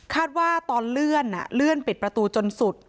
ว่าตอนเลื่อนเลื่อนปิดประตูจนสุด